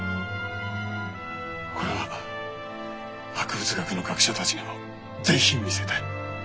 これは博物学の学者たちにも是非見せたい。